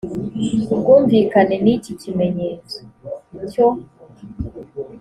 ku bwumvikane n ikimenyetso cyo